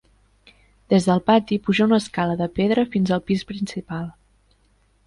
Des del pati puja una escala de pedra fins al pis principal.